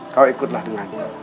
kau ikutlah dengan